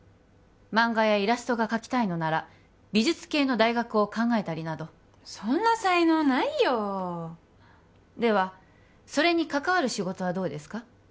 漫画やイラストが描きたいのなら美術系の大学を考えたりなどそんな才能ないよではそれに関わる仕事はどうですか？